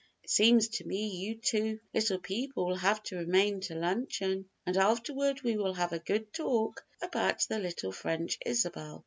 It seems to me you two little people will have to remain to luncheon, and afterward we will have a good talk about the little French Isabel."